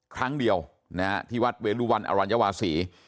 ครั้งเดียวนะฮะที่วัดเวรุวันอรัญวาศี